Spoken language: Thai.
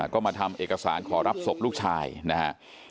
ก็มาทำเอกสารขอรับสมบลูกชายนะฮะ